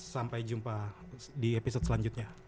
sampai jumpa di episode selanjutnya